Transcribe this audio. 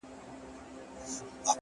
ړنده شې دا ښېرا ما وکړله پر ما دې سي نو”